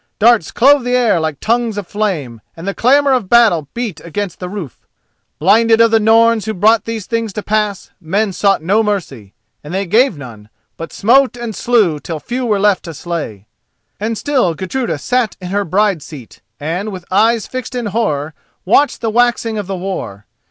Darts clove the air like tongues of flame, and the clamour of battle beat against the roof. Blinded of the Norns who brought these things to pass, men sought no mercy and they gave none, but smote and slew till few were left to slay. And still Gudruda sat in her bride seat, and, with eyes fixed in horror, watched the waxing of the war.